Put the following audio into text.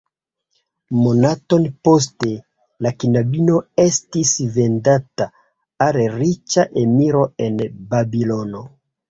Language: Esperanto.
Monaton poste la knabino estis vendata al riĉa emiro en Babilono.